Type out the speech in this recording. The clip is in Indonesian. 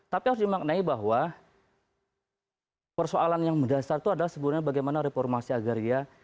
tapi harus dimaknai bahwa persoalan yang berdasar itu adalah sebenarnya bagaimana reformasi agar ya